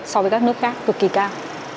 so với các nước khác cực kỳ cao